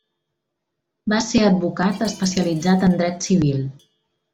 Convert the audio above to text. Va ser advocat especialitzat en dret civil.